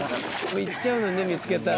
いっちゃうのね見つけたら。